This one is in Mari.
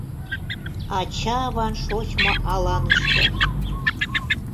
Ача-аван шочмо аланыште.